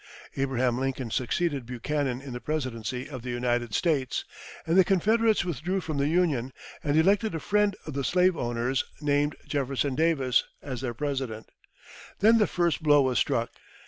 Abraham Lincoln succeeded Buchanan in the Presidency of the United States, and the Confederates withdrew from the Union, and elected a friend of the slave owners, named Jefferson Davis, as their President. Then the first blow was struck.